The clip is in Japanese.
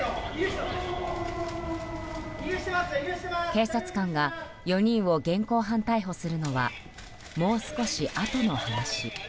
警察官が４人を現行犯逮捕するのはもう少しあとの話。